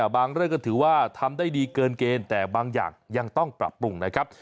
เรื่องก็ถือว่าทำได้ดีเกินเกณฑ์แต่บางอย่างยังต้องปรับปรุงนะครับ